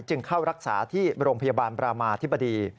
จึงเข้ารักษาที่โรงพยาบาลบรามาธิบดี